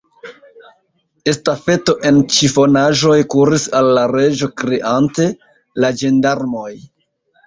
Estafeto en ĉifonaĵoj kuris al la Reĝo, kriante: "La ĝendarmoj!"